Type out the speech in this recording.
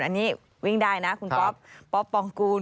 อันนี้วิ่งได้นะคุณก๊อปป๊อปปองกูล